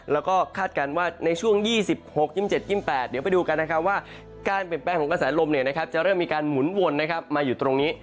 แล้วก็คาดการณ์ว่าในช่วง๒๖๒๗๒๘เดี๋ยวไปดูกันนะครับว่าการเปลี่ยนแปลงของกระแสลมจะเริ่มมีการหมุนวนมาอยู่ตรงนี้